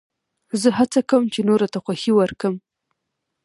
زه هڅه کوم، چي نورو ته خوښي ورکم.